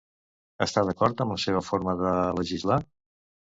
Està d'acord amb la seva forma de legislar?